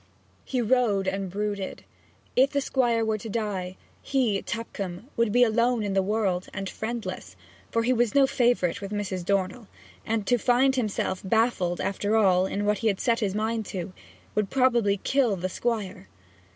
He rode and brooded. If the Squire were to die, he, Tupcombe, would be alone in the world and friendless, for he was no favourite with Mrs. Dornell; and to find himself baffled, after all, in what he had set his mind on, would probably kill the Squire.